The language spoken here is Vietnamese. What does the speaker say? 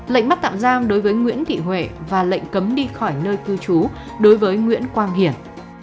lệnh bắt tạm giam đối với nguyễn thị huệ và lệnh cấm đi khỏi nơi cư trú đối với nguyễn quang hiển